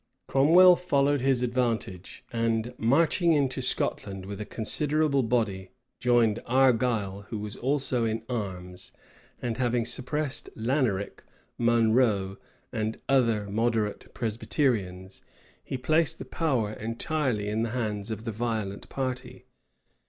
Cromwell followed his advantage; and, marching into Scotland with a considerable body joined Argyle, who was also in arms; and having suppressed Laneric, Monro, and other moderate Presbyterians he placed the power entirely in the hands of the violent party.